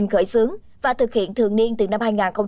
khởi xướng và thực hiện thường niên từ năm hai nghìn hai